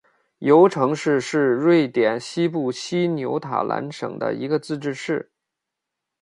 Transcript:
尤城市是瑞典西部西约塔兰省的一个自治市。